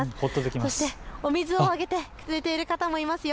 そしてお水をあげて植えている方もいますよ。